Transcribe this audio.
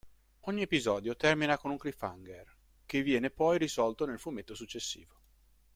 Ogni episodio termina con un cliffhanger che viene poi risolto nel fumetto successivo.